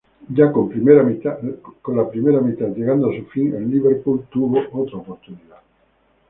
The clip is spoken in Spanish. Ya con la primera mitad llegando a su fin, el Liverpool tuvo otra oportunidad.